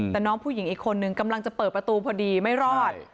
แต่น้องผู้หญิงอีกคนนึงกำลังจะเปิดประตูพอดีไม่รอด